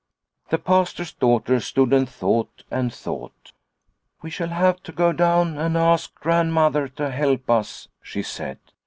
The Pastor's daughter stood and thought and thought. " We shall have to go down and ask Grand mother to help us," she said.